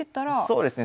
そうですね